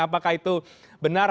apakah itu benar